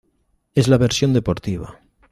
Es la versión deportiva.